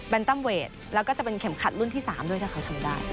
เป็นตัมเวทแล้วก็จะเป็นเข็มขัดรุ่นที่๓ด้วยถ้าเขาทำได้